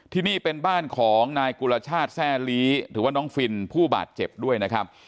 ที่นี่เป็นบ้านของนายกุลชาติแทร่ลีหรือว่าน้องฟินผู้บาดเจ็บด้วยนะครับ